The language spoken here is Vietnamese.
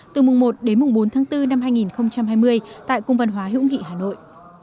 từ mùng một đến mùng bốn tháng bốn năm hai nghìn hai mươi tại cung văn hóa hữu nghị hà nội